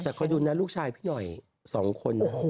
พอดูลูกชายพี่หน่อยสองคน